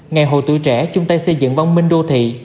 ngày hội tuổi trẻ chung tay xây dựng văn minh đô thị